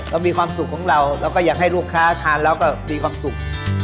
มีความสุขของเราเราก็อยากให้ลูกค้าทานแล้วก็มีความสุข